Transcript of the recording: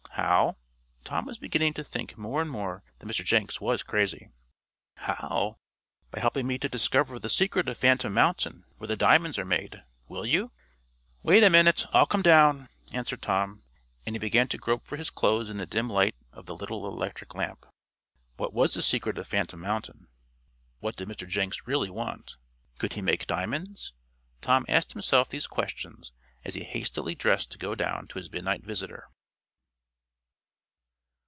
"How?" Tom was beginning to think more and more that Mr. Jenks was crazy. "How? By helping me to discover the secret of Phantom Mountain, where the diamonds are made! Will you?" "Wait a minute I'll come down," answered Tom, and he began to grope for his clothes in the dim light of the little electric lamp. What was the secret of Phantom Mountain? What did Mr. Jenks really want? Could he make diamonds? Tom asked himself these questions as he hastily dressed to go down to his midnight visitor.